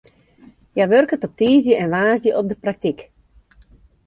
Hja wurket op tiisdei en woansdei op de praktyk.